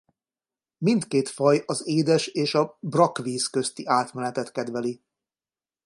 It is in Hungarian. Mindkét faj az édes- és a brakkvíz közti átmenetet kedveli.